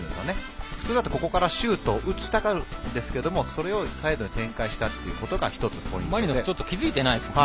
普通だとここからシュートを打ちたがるんですけれどサイドに展開したことがポイントですね。